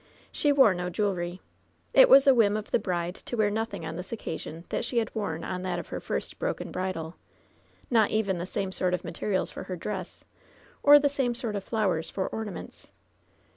She wore no jewelry. It was a whim of the bride to wear nothing on this occasion that she had worn on that of her first broken bridal — not even the same sort of materials for her dress, or the same sort of flowers for ornaments.